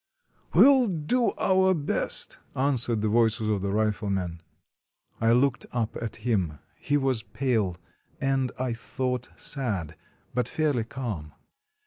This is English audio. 213 RUSSIA "We'll do our best," answered the voices of the rifle men. I looked up at him; he was pale, and, I thought, sad, but fairly calm.